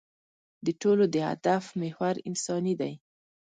د ټولو د هدف محور انساني دی.